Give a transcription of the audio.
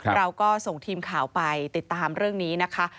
เราก็ส่งทีมข่าวไปติดตามเรื่องนี้นะคะ